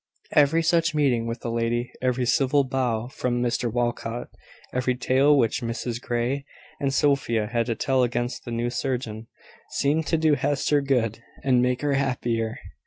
Every such meeting with the lady, every civil bow from Mr Walcot, every tale which Mrs Grey and Sophia had to tell against the new surgeon, seemed to do Hester good, and make her happier.